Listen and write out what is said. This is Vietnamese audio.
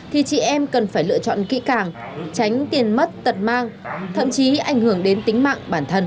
thì chị em cần phải lựa chọn kỹ càng tránh tiền mất tật mang thậm chí ảnh hưởng đến tính mạng bản thân